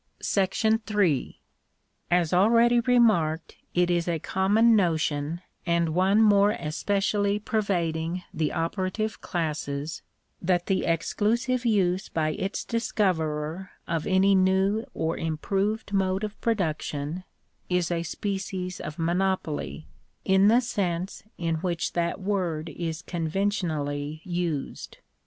§3. As already remarked, it is a common notion, and one more especially pervading the operative classes, that the exclusive use by its discoverer of any new or improved mode of produc tion, is a species of monopoly, in the sense in which that word is conventionally used.